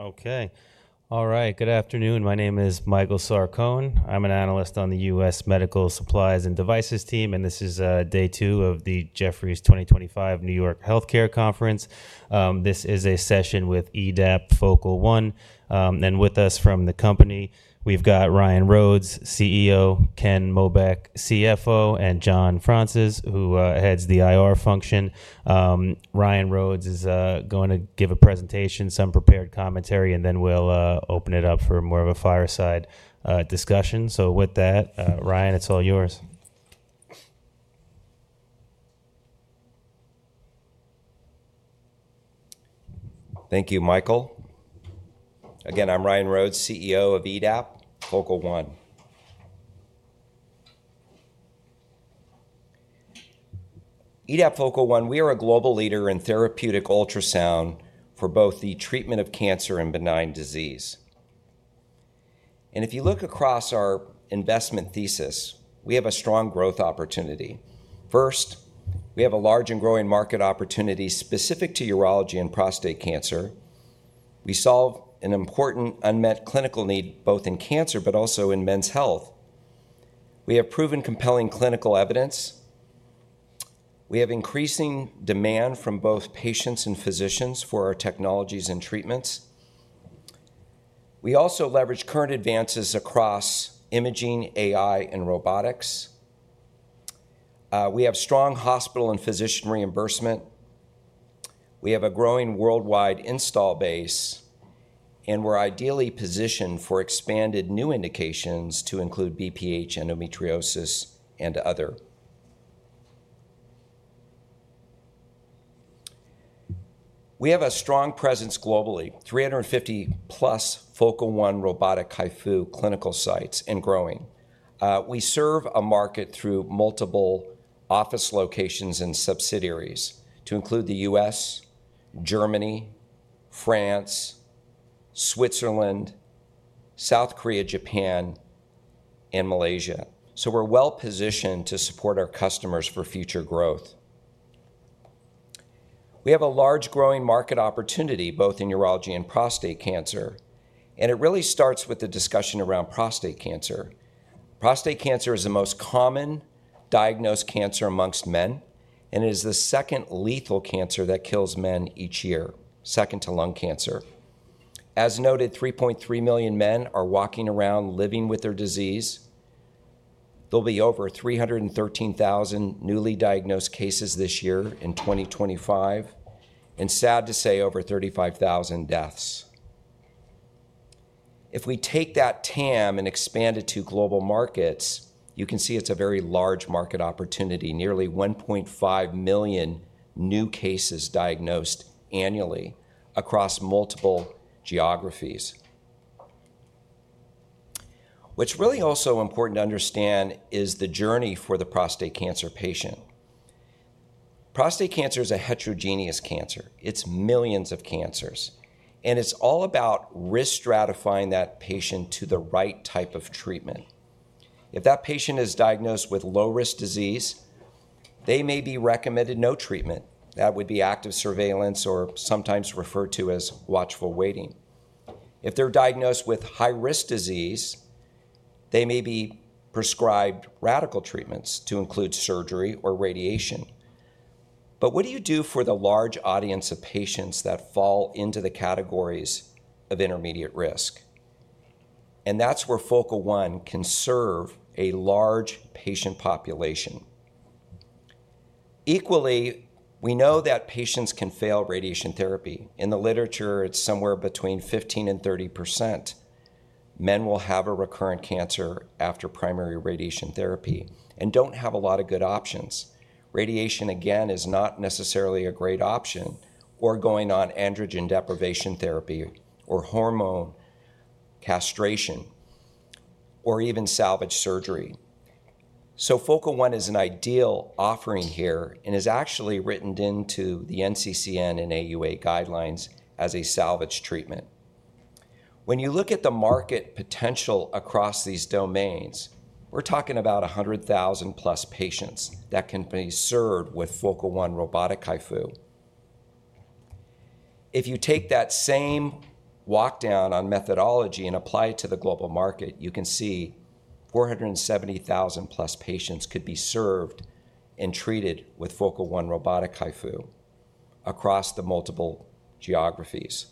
Okay. All right. Good afternoon. My name is Michael Sarcone. I'm an analyst on the U.S. Medical Supplies and Devices team, and this is day two of the Jefferies 2025 New York Healthcare Conference. This is a session with EDAP Focal One. And with us from the company, we've got Ryan Rhodes, CEO, Ken Mobeck, CFO, and John Francis, who heads the IR function. Ryan Rhodes is going to give a presentation, some prepared commentary, and then we'll open it up for more of a fireside discussion. With that, Ryan, it's all yours. Thank you, Michael. Again, I'm Ryan Rhodes, CEO of EDAP Focal One. EDAP Focal One, we are a global leader in therapeutic ultrasound for both the treatment of cancer and benign disease. If you look across our investment thesis, we have a strong growth opportunity. First, we have a large and growing market opportunity specific to urology and prostate cancer. We solve an important unmet clinical need both in cancer but also in men's health. We have proven compelling clinical evidence. We have increasing demand from both patients and physicians for our technologies and treatments. We also leverage current advances across imaging, AI, and robotics. We have strong hospital and physician reimbursement. We have a growing worldwide install base, and we're ideally positioned for expanded new indications to include BPH, endometriosis, and other. We have a strong presence globally: 350+ Focal One robotic HIFU clinical sites and growing. We serve a market through multiple office locations and subsidiaries to include the U.S., Germany, France, Switzerland, South Korea, Japan, and Malaysia. We are well-positioned to support our customers for future growth. We have a large growing market opportunity both in urology and prostate cancer, and it really starts with the discussion around prostate cancer. Prostate cancer is the most common diagnosed cancer amongst men, and it is the second lethal cancer that kills men each year, second to lung cancer. As noted, 3.3 million men are walking around living with their disease. There will be over 313,000 newly diagnosed cases this year in 2025, and sad to say, over 35,000 deaths. If we take that TAM and expand it to global markets, you can see it is a very large market opportunity: nearly 1.5 million new cases diagnosed annually across multiple geographies. What's really also important to understand is the journey for the prostate cancer patient. Prostate cancer is a heterogeneous cancer. It's millions of cancers, and it's all about risk-stratifying that patient to the right type of treatment. If that patient is diagnosed with low-risk disease, they may be recommended no treatment. That would be active surveillance or sometimes referred to as watchful waiting. If they're diagnosed with high-risk disease, they may be prescribed radical treatments to include surgery or radiation. What do you do for the large audience of patients that fall into the categories of intermediate risk? That's where Focal One can serve a large patient population. Equally, we know that patients can fail radiation therapy. In the literature, it's somewhere between 15% and 30%. Men will have a recurrent cancer after primary radiation therapy and don't have a lot of good options. Radiation, again, is not necessarily a great option, or going on androgen deprivation therapy, or hormone castration, or even salvage surgery. Focal One is an ideal offering here and is actually written into the NCCN and AUA guidelines as a salvage treatment. When you look at the market potential across these domains, we're talking about 100,000+ patients that can be served with Focal One robotic HIFU. If you take that same walkdown on methodology and apply it to the global market, you can see 470,000+ patients could be served and treated with Focal One robotic HIFU across the multiple geographies.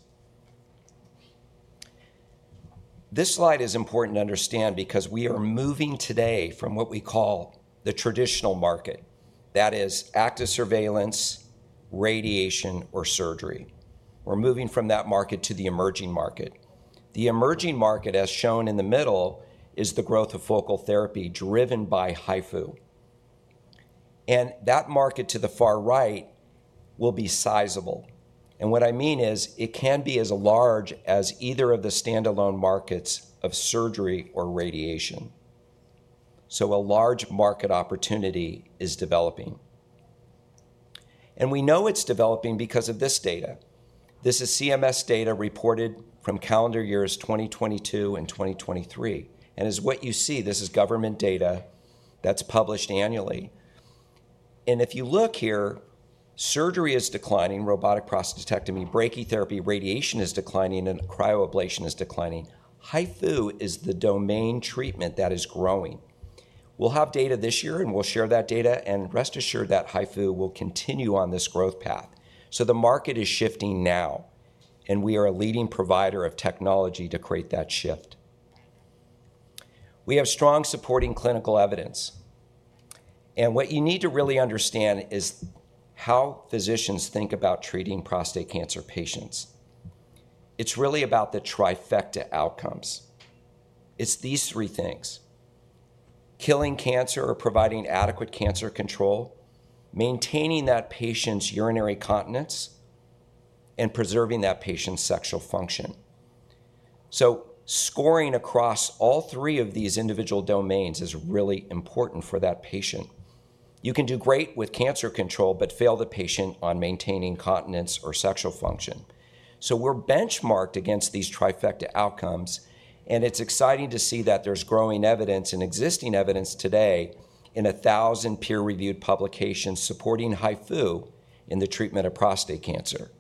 This slide is important to understand because we are moving today from what we call the traditional market. That is, active surveillance, radiation, or surgery. We're moving from that market to the emerging market. The emerging market, as shown in the middle, is the growth of focal therapy driven by HIFU. That market to the far right will be sizable. What I mean is it can be as large as either of the standalone markets of surgery or radiation. A large market opportunity is developing. We know it is developing because of this data. This is CMS data reported from calendar years 2022 and 2023. As you see, this is government data that is published annually. If you look here, surgery is declining: robotic prostatectomy, brachytherapy, radiation is declining, and cryoablation is declining. HIFU is the domain treatment that is growing. We will have data this year, and we will share that data. Rest assured that HIFU will continue on this growth path. The market is shifting now, and we are a leading provider of technology to create that shift. We have strong supporting clinical evidence. What you need to really understand is how physicians think about treating prostate cancer patients. It's really about the trifecta outcomes. It's these three things: killing cancer or providing adequate cancer control, maintaining that patient's urinary continence, and preserving that patient's sexual function. Scoring across all three of these individual domains is really important for that patient. You can do great with cancer control but fail the patient on maintaining continence or sexual function. We're benchmarked against these trifecta outcomes, and it's exciting to see that there's growing evidence and existing evidence today in 1,000 peer-reviewed publications supporting HIFU in the treatment of prostate cancer.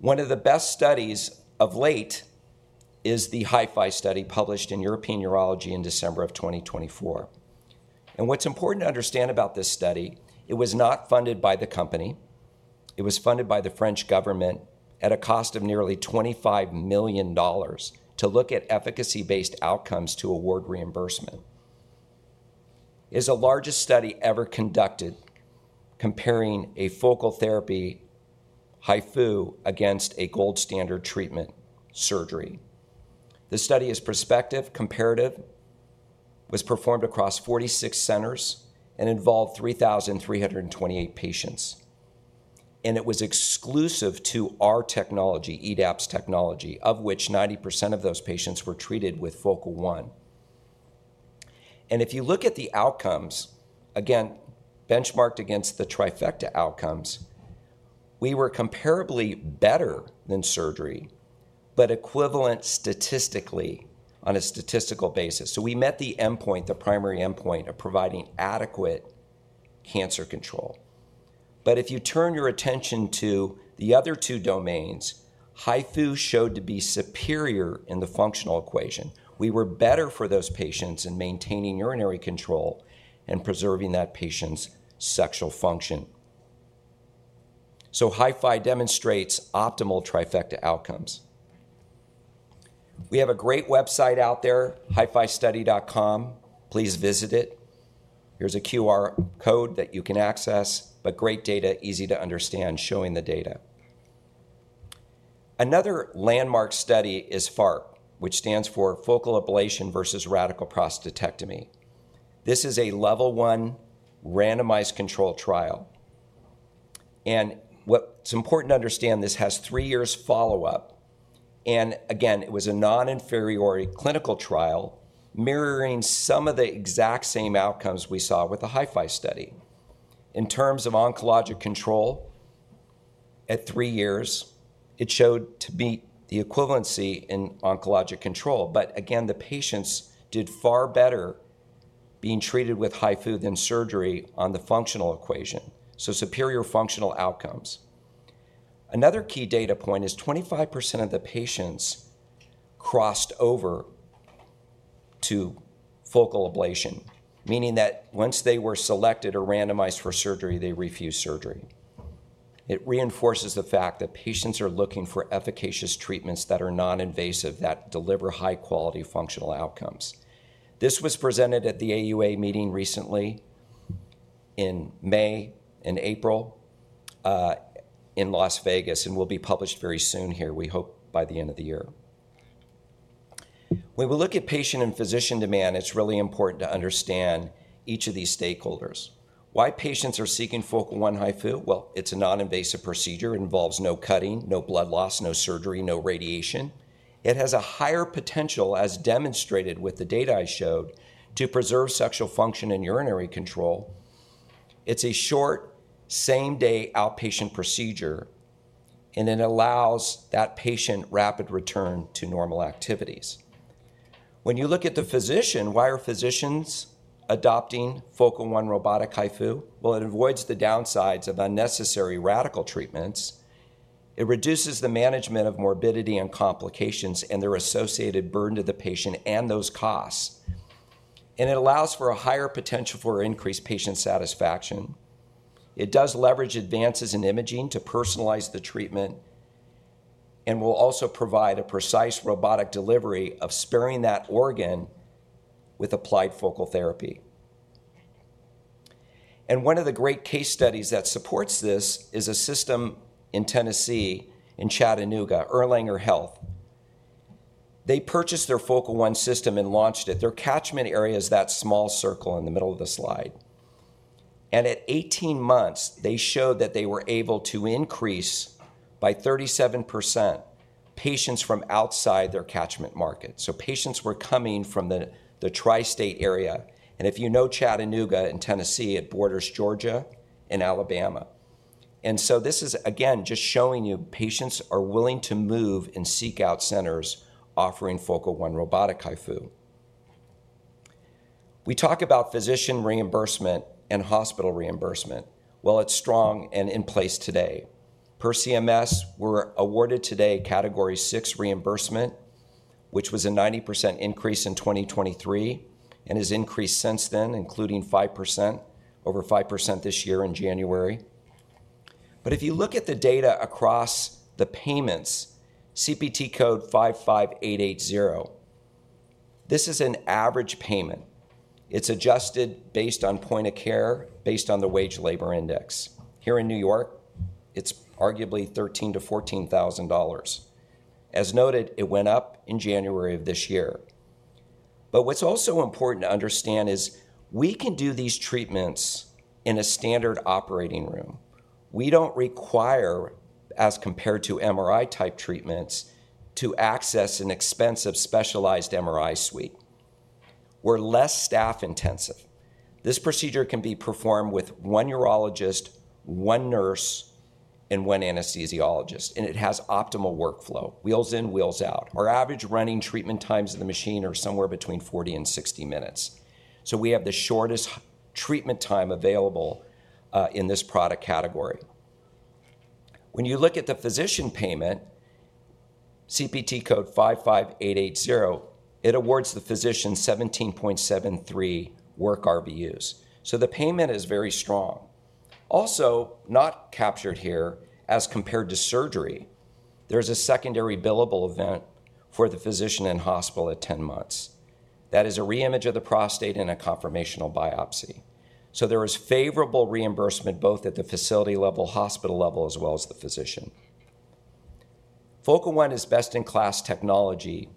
One of the best studies of late is the HIFI study published in European Urology in December of 2024. What's important to understand about this study: it was not funded by the company. It was funded by the French government at a cost of nearly $25 million to look at efficacy-based outcomes to award reimbursement. It's the largest study ever conducted comparing a focal therapy HIFU against a gold standard treatment, surgery. The study is prospective, comparative, was performed across 46 centers, and involved 3,328 patients. It was exclusive to our technology, EDAP's technology, of which 90% of those patients were treated with Focal One. If you look at the outcomes, again, benchmarked against the trifecta outcomes, we were comparably better than surgery but equivalent statistically on a statistical basis. We met the endpoint, the primary endpoint, of providing adequate cancer control. If you turn your attention to the other two domains, HIFU showed to be superior in the functional equation. We were better for those patients in maintaining urinary control and preserving that patient's sexual function. So HIFI demonstrates optimal trifecta outcomes. We have a great website out there, hifistudy.com. Please visit it. Here's a QR code that you can access, but great data, easy to understand, showing the data. Another landmark study is FARP, which stands for Focal Ablation versus Radical Prostatectomy. This is a level one randomized control trial. What's important to understand, this has three years' follow-up. Again, it was a non-inferiority clinical trial mirroring some of the exact same outcomes we saw with the HIFI study. In terms of oncologic control, at three years, it showed to be the equivalency in oncologic control. Again, the patients did far better being treated with HIFU than surgery on the functional equation. So superior functional outcomes. Another key data point is 25% of the patients crossed over to focal ablation, meaning that once they were selected or randomized for surgery, they refused surgery. It reinforces the fact that patients are looking for efficacious treatments that are non-invasive, that deliver high-quality functional outcomes. This was presented at the AUA meeting recently in May and April, in Las Vegas, and will be published very soon here, we hope, by the end of the year. When we look at patient and physician demand, it's really important to understand each of these stakeholders. Why patients are seeking Focal One HIFU? It's a non-invasive procedure. It involves no cutting, no blood loss, no surgery, no radiation. It has a higher potential, as demonstrated with the data I showed, to preserve sexual function and urinary control. It's a short, same-day outpatient procedure, and it allows that patient rapid return to normal activities. When you look at the physician, why are physicians adopting Focal One robotic HIFU? It avoids the downsides of unnecessary radical treatments. It reduces the management of morbidity and complications and their associated burden to the patient and those costs. It allows for a higher potential for increased patient satisfaction. It does leverage advances in imaging to personalize the treatment and will also provide a precise robotic delivery of sparing that organ with applied focal therapy. One of the great case studies that supports this is a system in Tennessee in Chattanooga, Erlanger Health. They purchased their Focal One system and launched it. Their catchment area is that small circle in the middle of the slide. At 18 months, they showed that they were able to increase by 37% patients from outside their catchment market. Patients were coming from the tri-state area. If you know Chattanooga and Tennessee, it borders Georgia and Alabama. This is, again, just showing you patients are willing to move and seek out centers offering Focal One robotic HIFU. We talk about physician reimbursement and hospital reimbursement. It is strong and in place today. Per CMS, we are awarded today category six reimbursement, which was a 90% increase in 2023 and has increased since then, including 5%, over 5% this year in January. If you look at the data across the payments, CPT code 55880, this is an average payment. It's adjusted based on point of care, based on the wage labor index. Here in New York, it's arguably $13,000-$14,000. As noted, it went up in January of this year. What is also important to understand is we can do these treatments in a standard operating room. We do not require, as compared to MRI-type treatments, to access an expensive specialized MRI suite. We are less staff-intensive. This procedure can be performed with one urologist, one nurse, and one anesthesiologist, and it has optimal workflow, wheels in, wheels out. Our average running treatment times in the machine are somewhere between 40 and 60 minutes. We have the shortest treatment time available in this product category. When you look at the physician payment, CPT code 55880, it awards the physician 17.73 work RVUs. The payment is very strong. Also, not captured here, as compared to surgery, there's a secondary billable event for the physician in hospital at 10 months. That is a reimage of the prostate and a confirmational biopsy. There is favorable reimbursement both at the facility level, hospital level, as well as the physician. Focal One is best-in-class technology,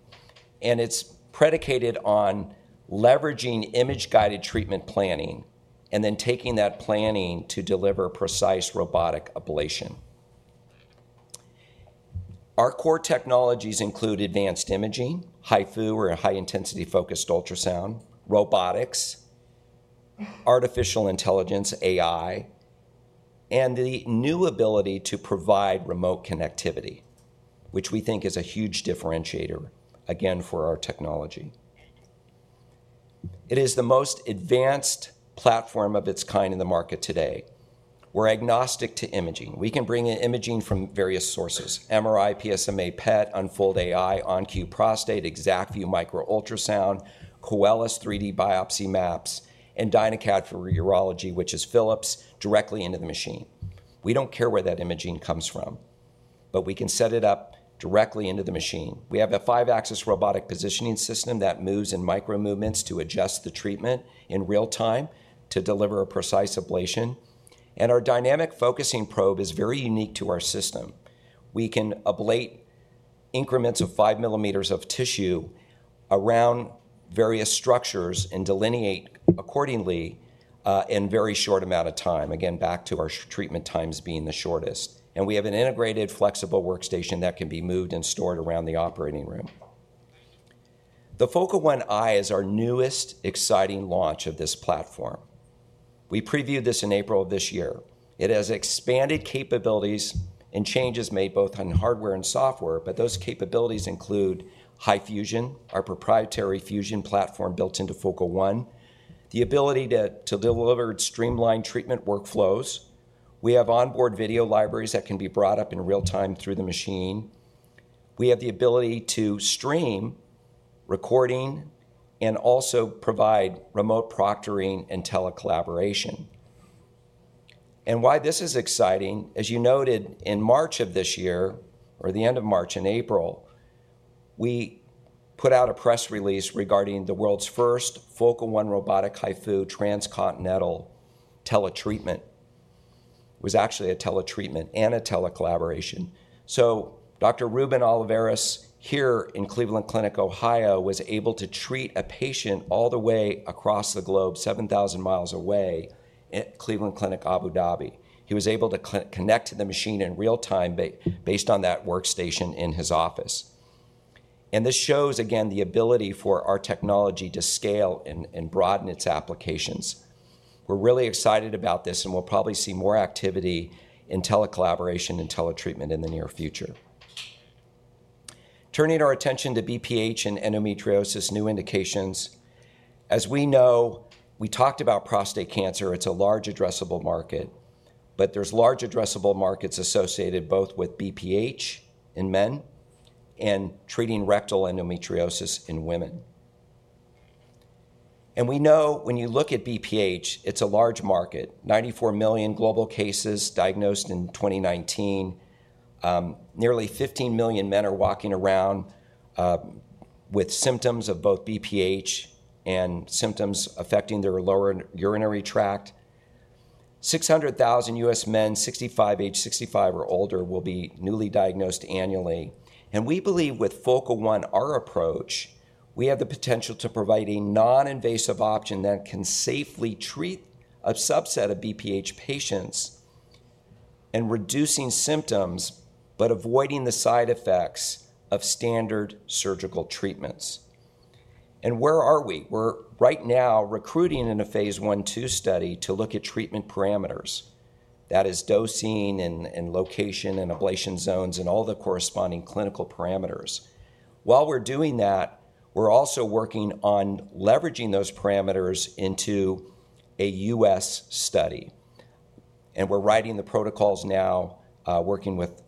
and it's predicated on leveraging image-guided treatment planning and then taking that planning to deliver precise robotic ablation. Our core technologies include advanced imaging, HIFU or high-intensity focused ultrasound, robotics, artificial intelligence, AI, and the new ability to provide remote connectivity, which we think is a huge differentiator, again, for our technology. It is the most advanced platform of its kind in the market today. We're agnostic to imaging. We can bring in imaging from various sources: MRI, PSMA PET, Unfold AI, OnQ Prostate, ExactVu Micro-Ultrasound, Koelis, 3D biopsy maps, and DynaCAD for urology, which is Philips, directly into the machine. We do not care where that imaging comes from, but we can set it up directly into the machine. We have a five-axis robotic positioning system that moves in micro-movements to adjust the treatment in real time to deliver a precise ablation. Our dynamic focusing probe is very unique to our system. We can ablate increments of 5 mm of tissue around various structures and delineate accordingly in a very short amount of time, again, back to our treatment times being the shortest. We have an integrated flexible workstation that can be moved and stored around the operating room. The Focal One i is our newest, exciting launch of this platform. We previewed this in April of this year. It has expanded capabilities and changes made both on hardware and software, but those capabilities include HIFUsion, our proprietary fusion platform built into Focal One, the ability to deliver streamlined treatment workflows. We have onboard video libraries that can be brought up in real time through the machine. We have the ability to stream recording and also provide remote proctoring and telecollaboration. Why this is exciting, as you noted, in March of this year, or the end of March and April, we put out a press release regarding the world's first Focal One robotic HIFU transcontinental teletreatment. It was actually a teletreatment and a telecollaboration. Dr. Ruben Oliveras here in Cleveland Clinic, Ohio, was able to treat a patient all the way across the globe, 7,000 mi away at Cleveland Clinic, Abu Dhabi. He was able to connect to the machine in real time based on that workstation in his office. This shows, again, the ability for our technology to scale and broaden its applications. We're really excited about this, and we'll probably see more activity in telecollaboration and teletreatment in the near future. Turning our attention to BPH and endometriosis new indications. As we know, we talked about prostate cancer. It's a large addressable market, but there are large addressable markets associated both with BPH in men and treating rectal endometriosis in women. We know when you look at BPH, it's a large market, 94 million global cases diagnosed in 2019. Nearly 15 million men are walking around with symptoms of both BPH and symptoms affecting their lower urinary tract. 600,000 U.S. men, age 65 or older, will be newly diagnosed annually. We believe with Focal One, our approach, we have the potential to provide a non-invasive option that can safely treat a subset of BPH patients and reduce symptoms but avoid the side effects of standard surgical treatments. Where are we? We're right now recruiting in a phase one-two study to look at treatment parameters. That is dosing and location and ablation zones and all the corresponding clinical parameters. While we're doing that, we're also working on leveraging those parameters into a U.S. study. We're writing the protocols now, working with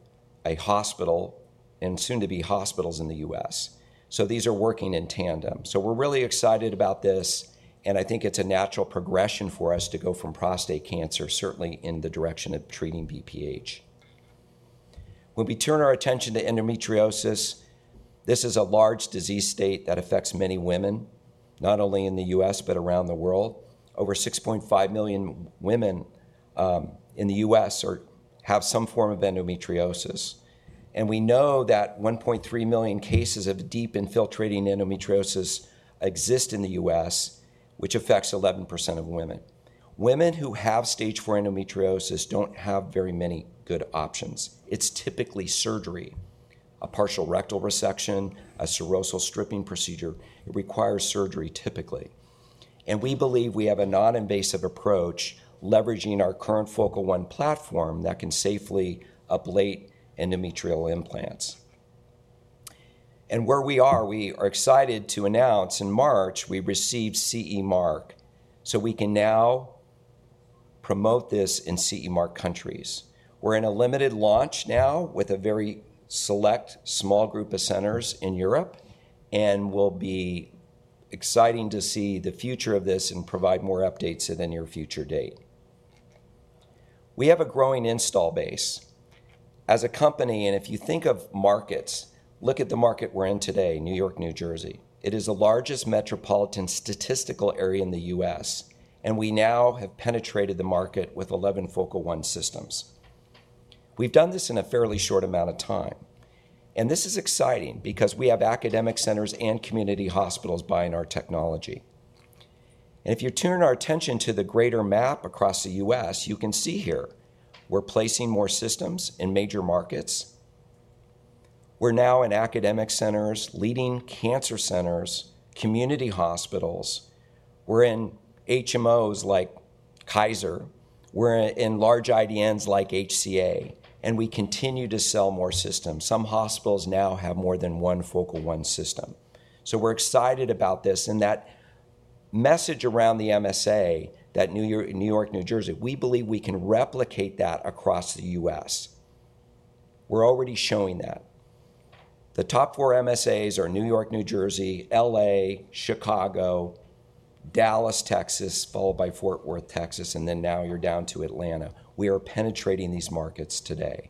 a hospital and soon-to-be hospitals in the U.S. These are working in tandem. We're really excited about this, and I think it's a natural progression for us to go from prostate cancer, certainly in the direction of treating BPH. When we turn our attention to endometriosis, this is a large disease state that affects many women, not only in the U.S., but around the world. Over 6.5 million women in the U.S. have some form of endometriosis. We know that 1.3 million cases of deep infiltrating endometriosis exist in the U.S., which affects 11% of women. Women who have stage four endometriosis do not have very many good options. It is typically surgery, a partial rectal resection, a serosal stripping procedure. It requires surgery, typically. We believe we have a non-invasive approach leveraging our current Focal One platform that can safely ablate endometrial implants. We are excited to announce in March, we received CE Mark, so we can now promote this in CE Mark countries. We're in a limited launch now with a very select small group of centers in Europe, and we'll be excited to see the future of this and provide more updates at a near future date. We have a growing install base. As a company, and if you think of markets, look at the market we're in today, New York, New Jersey. It is the largest metropolitan statistical area in the U.S., and we now have penetrated the market with 11 Focal One systems. We've done this in a fairly short amount of time. This is exciting because we have academic centers and community hospitals buying our technology. If you turn our attention to the greater map across the U.S., you can see here we're placing more systems in major markets. We're now in academic centers, leading cancer centers, community hospitals. We're in HMOs like Kaiser. We're in large IDNs like HCA, and we continue to sell more systems. Some hospitals now have more than one Focal One system. We are excited about this. That message around the MSA, that New York, New Jersey, we believe we can replicate that across the U.S. We are already showing that. The top four MSAs are New York, New Jersey, L.A., Chicago, Dallas, Texas, followed by Fort Worth, Texas, and then now you are down to Atlanta. We are penetrating these markets today.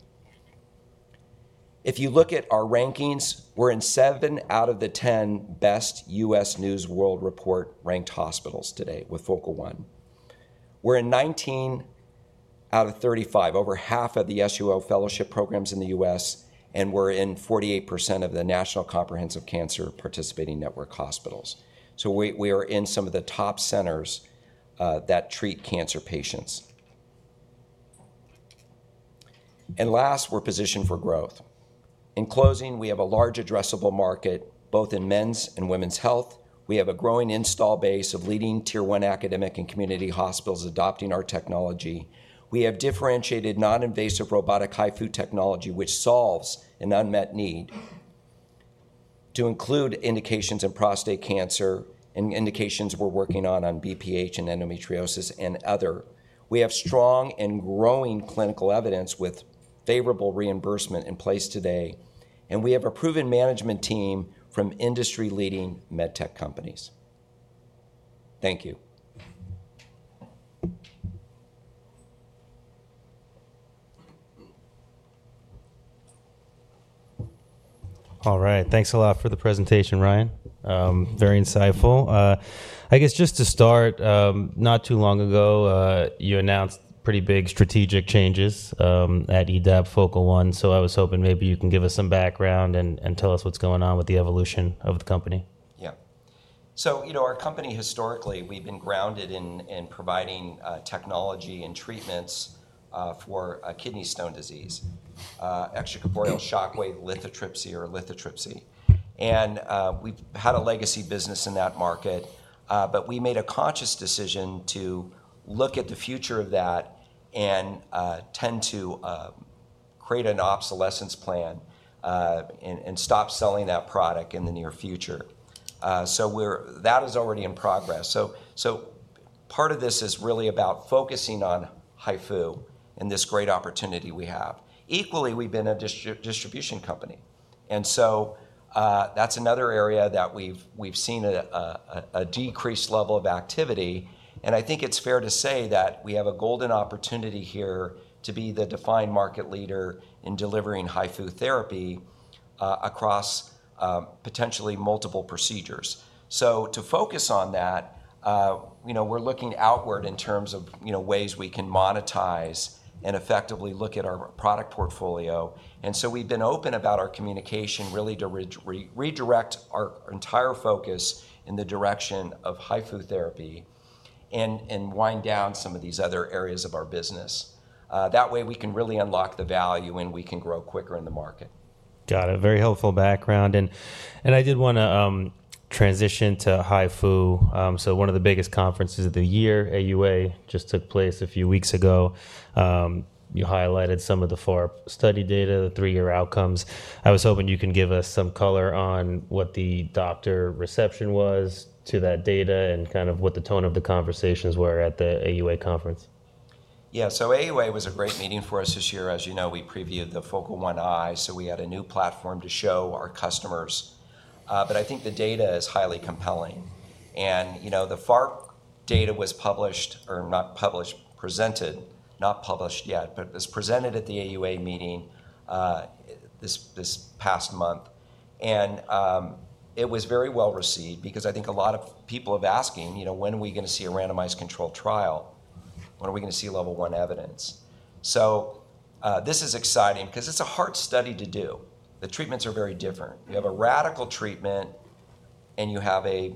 If you look at our rankings, we are in seven out of the 10 best U.S. News World Report ranked hospitals today with Focal One. We are in 19 out of 35, over half of the SUO fellowship programs in the U.S., and we are in 48% of the National Comprehensive Cancer Participating Network hospitals. We are in some of the top centers that treat cancer patients. Last, we're positioned for growth. In closing, we have a large addressable market both in men's and women's health. We have a growing install base of leading tier one academic and community hospitals adopting our technology. We have differentiated non-invasive robotic HIFU technology, which solves an unmet need to include indications in prostate cancer and indications we're working on on BPH and endometriosis and other. We have strong and growing clinical evidence with favorable reimbursement in place today, and we have a proven management team from industry-leading med tech companies. Thank you. All right. Thanks a lot for the presentation, Ryan. Very insightful. I guess just to start, not too long ago, you announced pretty big strategic changes at EDAP Focal One, so I was hoping maybe you can give us some background and tell us what's going on with the evolution of the company. Yeah. So, you know, our company historically, we've been grounded in providing technology and treatments for kidney stone disease, extracorporeal shockwave lithotripsy or lithotripsy. And we've had a legacy business in that market, but we made a conscious decision to look at the future of that and tend to create an obsolescence plan and stop selling that product in the near future. That is already in progress. Part of this is really about focusing on HIFU and this great opportunity we have. Equally, we've been a distribution company. That's another area that we've seen a decreased level of activity. I think it's fair to say that we have a golden opportunity here to be the defined market leader in delivering HIFU therapy across potentially multiple procedures. To focus on that, you know, we're looking outward in terms of, you know, ways we can monetize and effectively look at our product portfolio. We've been open about our communication really to redirect our entire focus in the direction of HIFU therapy and wind down some of these other areas of our business. That way, we can really unlock the value and we can grow quicker in the market. Got it. Very helpful background. I did want to transition to HIFU. One of the biggest conferences of the year, AUA, just took place a few weeks ago. You highlighted some of the FORB study data, the three-year outcomes. I was hoping you can give us some color on what the doctor reception was to that data and kind of what the tone of the conversations were at the AUA conference. Yeah. AUA was a great meeting for us this year. As you know, we previewed the Focal One i, so we had a new platform to show our customers. I think the data is highly compelling. You know, the FARP data was presented, not published yet, but it was presented at the AUA meeting this past month. It was very well received because I think a lot of people have asked, you know, when are we going to see a randomized controlled trial? When are we going to see level one evidence? This is exciting because it is a hard study to do. The treatments are very different. You have a radical treatment and you have a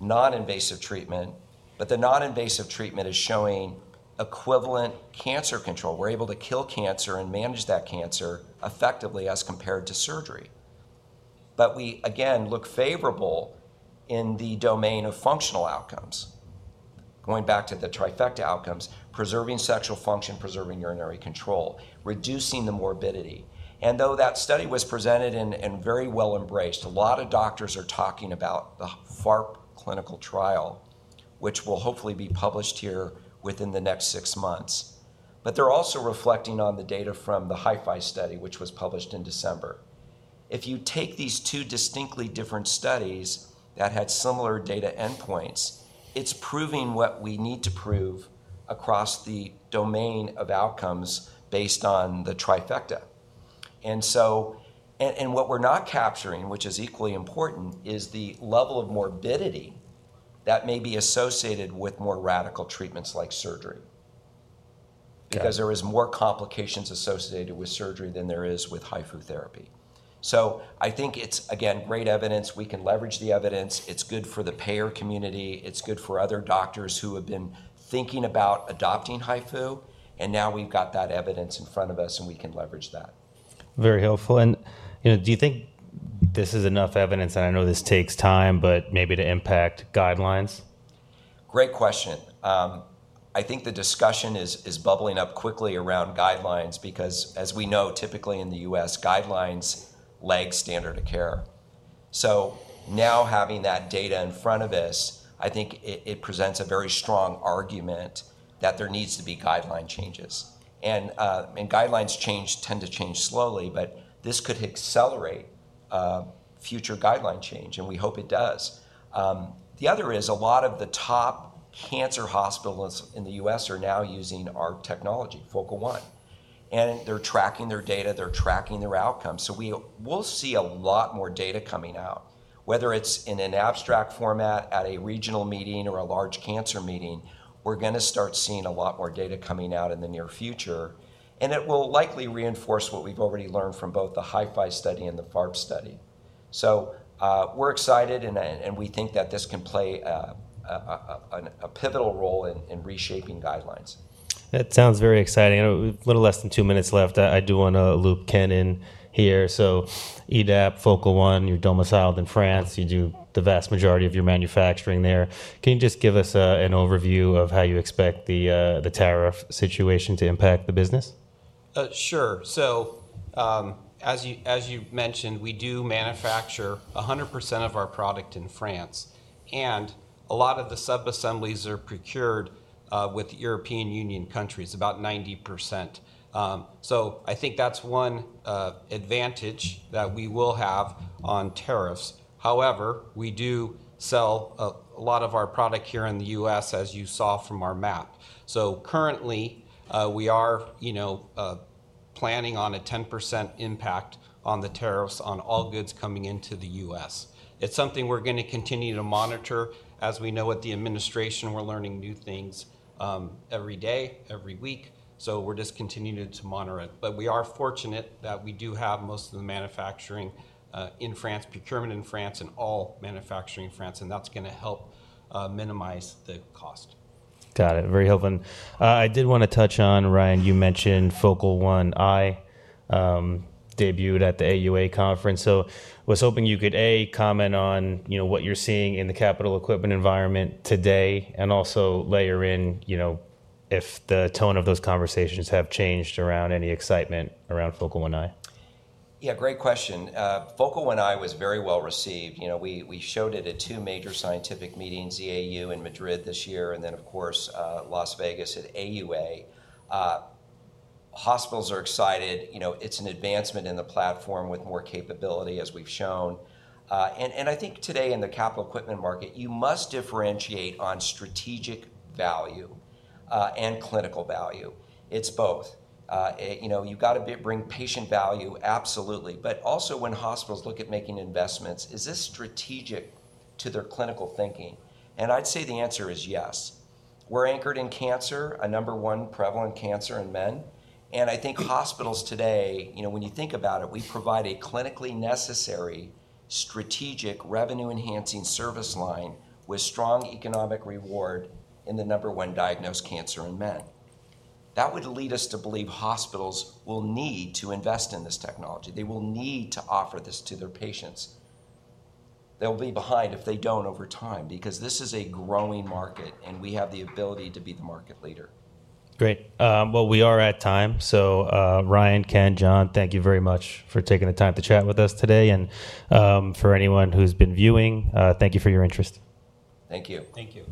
non-invasive treatment, but the non-invasive treatment is showing equivalent cancer control. We are able to kill cancer and manage that cancer effectively as compared to surgery. We, again, look favorable in the domain of functional outcomes, going back to the trifecta outcomes, preserving sexual function, preserving urinary control, reducing the morbidity. Though that study was presented and very well embraced, a lot of doctors are talking about the FARP clinical trial, which will hopefully be published here within the next six months. They're also reflecting on the data from the HIFI study, which was published in December. If you take these two distinctly different studies that had similar data endpoints, it's proving what we need to prove across the domain of outcomes based on the trifecta. What we're not capturing, which is equally important, is the level of morbidity that may be associated with more radical treatments like surgery because there are more complications associated with surgery than there are with HIFU therapy. I think it's, again, great evidence. We can leverage the evidence. It's good for the payer community. It's good for other doctors who have been thinking about adopting HIFU, and now we've got that evidence in front of us and we can leverage that. Very helpful. And, you know, do you think this is enough evidence, and I know this takes time, but maybe to impact guidelines? Great question. I think the discussion is bubbling up quickly around guidelines because, as we know, typically in the U.S., guidelines lag standard of care. Now having that data in front of us, I think it presents a very strong argument that there needs to be guideline changes. Guidelines tend to change slowly, but this could accelerate future guideline change, and we hope it does. The other is a lot of the top cancer hospitals in the U.S. are now using our technology, Focal One, and they're tracking their data, they're tracking their outcomes. We will see a lot more data coming out, whether it's in an abstract format at a regional meeting or a large cancer meeting. We're going to start seeing a lot more data coming out in the near future, and it will likely reinforce what we've already learned from both the HIFU study and the FARP study. So we're excited, and we think that this can play a pivotal role in reshaping guidelines. That sounds very exciting. A little less than two minutes left. I do want to loop Ken in here. So EDAP, Focal One, you're domiciled in France. You do the vast majority of your manufacturing there. Can you just give us an overview of how you expect the tariff situation to impact the business? Sure. As you mentioned, we do manufacture 100% of our product in France, and a lot of the subassemblies are procured within European Union countries, about 90%. I think that's one advantage that we will have on tariffs. However, we do sell a lot of our product here in the U.S., as you saw from our map. Currently, we are, you know, planning on a 10% impact on the tariffs on all goods coming into the U.S. It's something we're going to continue to monitor. As we know at the administration, we're learning new things every day, every week, so we're just continuing to monitor it. We are fortunate that we do have most of the manufacturing in France, procurement in France, and all manufacturing in France, and that's going to help minimize the cost. Got it. Very helpful. I did want to touch on, Ryan, you mentioned Focal One i debuted at the AUA conference. I was hoping you could, A, comment on, you know, what you're seeing in the capital equipment environment today and also layer in, you know, if the tone of those conversations have changed around any excitement around Focal One i. Yeah, great question. Focal One i was very well received. You know, we showed it at two major scientific meetings, EAU in Madrid this year and then, of course, Las Vegas at AUA. Hospitals are excited. You know, it's an advancement in the platform with more capability, as we've shown. I think today in the capital equipment market, you must differentiate on strategic value and clinical value. It's both. You know, you've got to bring patient value, absolutely. Also when hospitals look at making investments, is this strategic to their clinical thinking? I'd say the answer is yes. We're anchored in cancer, a number one prevalent cancer in men. I think hospitals today, you know, when you think about it, we provide a clinically necessary strategic revenue-enhancing service line with strong economic reward in the number one diagnosed cancer in men. That would lead us to believe hospitals will need to invest in this technology. They will need to offer this to their patients. They'll be behind if they don't over time because this is a growing market and we have the ability to be the market leader. Great. We are at time. Ryan, Ken, John, thank you very much for taking the time to chat with us today. For anyone who's been viewing, thank you for your interest. Thank you. Thank you.